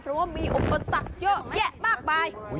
เพราะว่ามีอุปสรรคเยอะแยะมากมาย